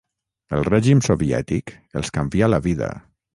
El règim soviètic els canvià la vida.